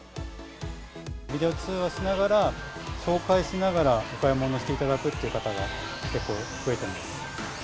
ビデオ通話しながら、紹介しながら、お買い物していただくという方が結構増えています。